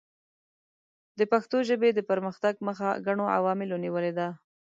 د پښتو ژبې د پرمختګ مخه ګڼو عواملو نیولې ده.